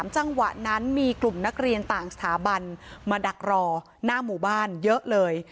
จังหวะนั้นมีกลุ่มนักเรียนต่างสถาบันมาดักรอหน้าหมู่บ้านเยอะเลย